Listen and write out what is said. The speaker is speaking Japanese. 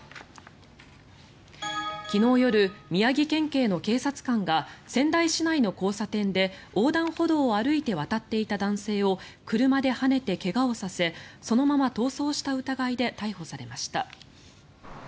昨日夜、宮城県警の警察官が仙台市内の交差点で横断歩道を歩いて渡っていた男性を車ではねて怪我をさせそのまま逃走した疑いで逮捕されました。